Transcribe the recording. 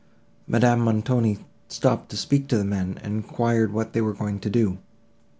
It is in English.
Madame Montoni stopped to speak to the men, and enquired what they were going to do.